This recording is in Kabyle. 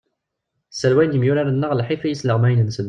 Sserwayen yemyurar-nneɣ lḥif i yisleɣmayen-nsen.